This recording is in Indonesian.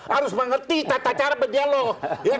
harus mengerti tata cara berdialog